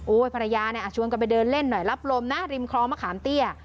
ภรรยาเนี่ยชวนกันไปเดินเล่นหน่อยรับลมนะริมคลองมะขามเตี้ย